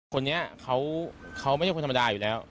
คนนี้เขาไม่ใช่คนธรรมดาอยู่แล้ว